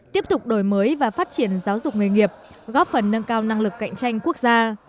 tiếp tục đổi mới và phát triển giáo dục nghề nghiệp góp phần nâng cao năng lực cạnh tranh quốc gia